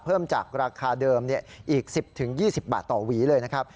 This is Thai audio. เพิ่มจากราคาเดิมอีก๑๐๒๐บาทต่อหวีเลยนะครับ